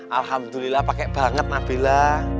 alhamdulillah pake banget nabila